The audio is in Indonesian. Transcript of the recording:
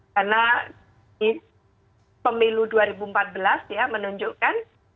karena pemilu dua ribu empat belas ya menunjukkan